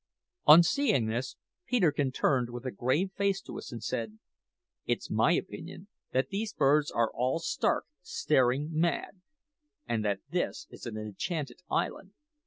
On seeing this, Peterkin turned with a grave face to us and said, "It's my opinion that these birds are all stark, staring mad, and that this is an enchanted island.